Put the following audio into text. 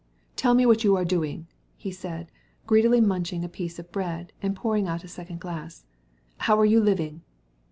Tell me what you're doing," he went on, greedily munching a piece of bread, and pouring out another glassful. "How are you living?"